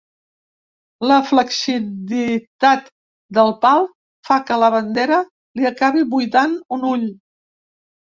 La flacciditat del pal fa que la bandera li acabi buidant un ull.